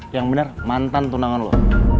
yang benar mantan tunangan lo